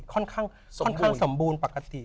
ค่อนข้างสมบูรณ์ปกติ